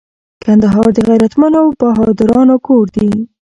کندهار د غیرتمنو بهادرانو کور دي